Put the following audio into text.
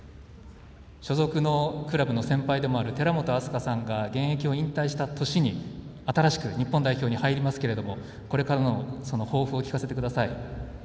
所属のクラブの先輩でもある寺本明日香さんが現役を引退した年に新しく日本代表に入りますけれどこれからの豊富を聞かせてください。